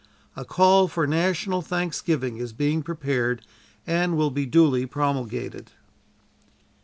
A call for national thanksgiving is being prepared and will be duly promulgated."